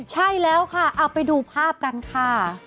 ใช่แล้วค่ะเอาไปดูภาพกันค่ะ